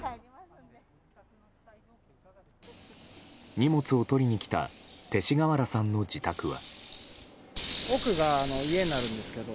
荷物を取りに来た鉄地河原さんの自宅は。